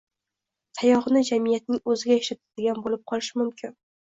tayog‘ini jamiyatning o‘ziga ishlatadigan bo‘lib qolishi mumkin.